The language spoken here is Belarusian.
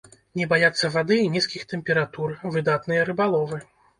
Не баяцца вады і нізкіх тэмператур, выдатныя рыбаловы.